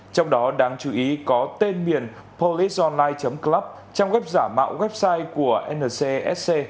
trong đó đáng chú ý có tên miền policeonline club trong web giả mạo website của ncsc